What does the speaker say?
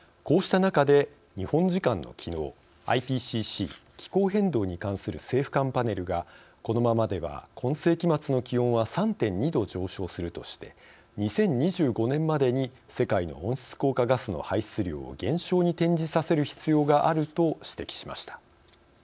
こうした中で日本時間の昨日ＩＰＣＣ＝気候変動に関する政府間パネルがこのままでは今世紀末の気温は３．２℃上昇するとして２０２５年までに世界の温室効果ガスの排出量を減少に転じさせる必要があると指摘しました。